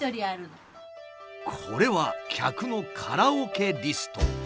これは客のカラオケリスト。